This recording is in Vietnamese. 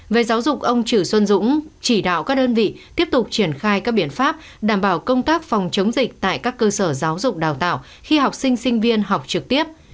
về giáo dục ông chử xuân dũng chỉ đạo các đơn vị tiếp tục triển khai các biện pháp đảm bảo công tác phòng chống dịch tại các cơ sở giáo dục đào tạo khi học sinh sinh viên học trực tiếp